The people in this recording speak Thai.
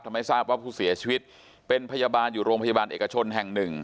ทำให้ทราบว่าผู้เสียชีวิตเป็นพยาบาลอยู่โรงพยาบาลเอกชนแห่งหนึ่ง